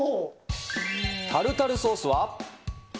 タルタルソースは。